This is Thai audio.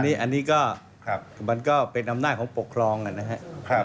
คงอันนี้ก็มันก็เป็นนำหน้าของปกครองน่ะนะครับ